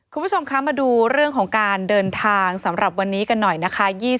คุณผู้ชมคะมาดูเรื่องของการเดินทางสำหรับวันนี้กันหน่อยนะคะ